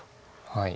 はい。